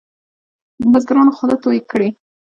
بزګرانو خوله توی کړې.